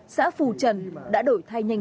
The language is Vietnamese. xã phù trần đã đổi thay nhau